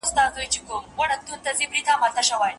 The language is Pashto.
د ټوکې کوونکي مقصد څه وي؟